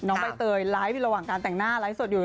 ใบเตยไลฟ์อยู่ระหว่างการแต่งหน้าไลฟ์สดอยู่